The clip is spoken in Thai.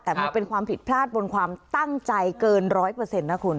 แต่มันเป็นความผิดพลาดบนความตั้งใจเกินร้อยเปอร์เซ็นต์นะคุณ